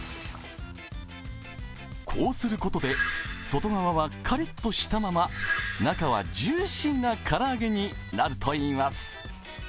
こうすることで、外側はカリッとしたまま、中はジューシーな唐揚げになるといいます。